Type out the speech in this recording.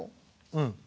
うん。